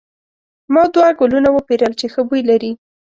ما دوه ګلونه وپیرل چې ښه بوی لري.